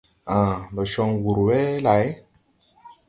Aã, ndo con wur we lay ?